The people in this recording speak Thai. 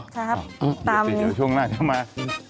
ครับตามสิเดี๋ยวช่วงหน้าจะมา